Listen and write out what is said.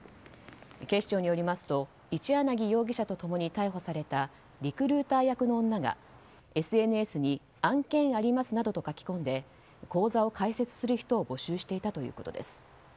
警視庁によりますと一柳容疑者と共に逮捕されたリクルーター役の女がＳＮＳに案件ありますなどと書き込んで口座を開設する人を募集していたということです。